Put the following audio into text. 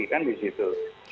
kan di situ